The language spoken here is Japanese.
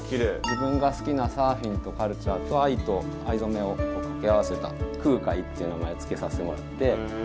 自分が好きなサーフィンとカルチャーと藍と藍染めを掛け合わせた空海っていう名前を付けさせてもらって。